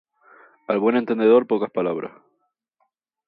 Al buen entendedor, pocas palabras.